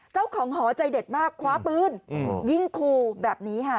เจ้าของหอใจเด็ดมากคว้าปื้นยิงคูแบบนี้ค่ะ